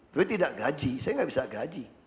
tapi tidak gaji saya nggak bisa gaji